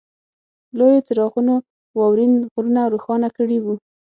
لویو څراغونو واورین غرونه روښانه کړي وو